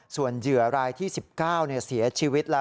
ส่วนเหยื่อรายที่๑๙เสียชีวิตแล้ว